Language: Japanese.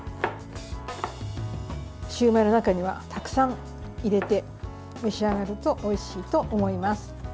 シューマイの中にたくさん入れて召し上がるとおいしいと思います。